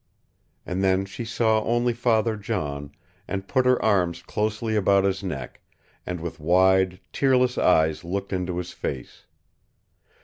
And then she saw only Father John, and put her arms closely about his neck, and with wide, tearless eyes looked into his face.